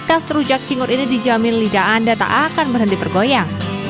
khas rujak cingur ini dijamin lidah anda tak akan berhenti bergoyang